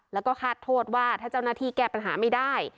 แล้วก็คาดโทษว่าถ้าเจ้าหน้าที่แก้ปัญหาไม่ได้